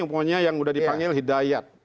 umpamanya yang udah dipanggil hidayat